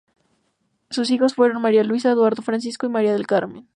Sus hijos fueron María Luisa, Eduardo Francisco y María del Carmen.